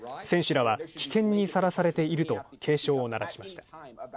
選手らは危険にさらされていると警鐘を鳴らしました。